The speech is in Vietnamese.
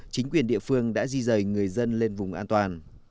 chính quyền địa phương đã di rời người dân lên vùng an toàn